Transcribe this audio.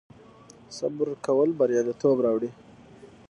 صبر کول بریالیتوب راوړي